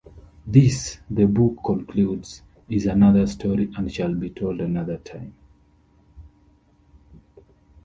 This, the book concludes, "is another story and shall be told another time".